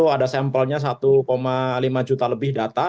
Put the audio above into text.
ada sampelnya satu lima juta lebih data